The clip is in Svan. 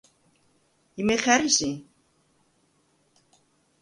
იმე ხა̈რი სი?